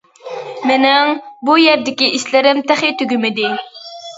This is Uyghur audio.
مىنىڭ بۇ يەردىكى ئىشلىرىم تېخى تۈگىمىدى.